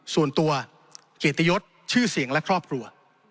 ส่วนตัวเกียรติยศชื่อเสียงและครอบครัว